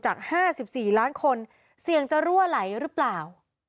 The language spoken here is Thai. จาก๕๔ล้านคนเสี่ยงจะรั่วไหลหรือเปล่า